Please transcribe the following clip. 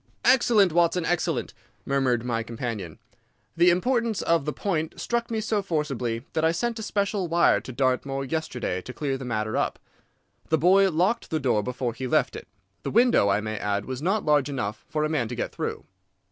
"Excellent, Watson, excellent!" murmured my companion. "The importance of the point struck me so forcibly that I sent a special wire to Dartmoor yesterday to clear the matter up. The boy locked the door before he left it. The window, I may add, was not large enough for a man to get through.